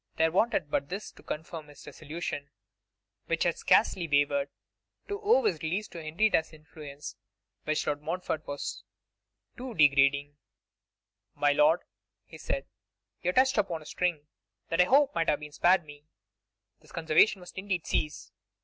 There wanted but this to confirm his resolution, which had scarcely wavered. To owe his release to Henrietta's influence with Lord Montfort was too degrading. 'My lord,' he said, 'you have touched upon a string that I had hoped might have been spared me. This conversation must, indeed, cease.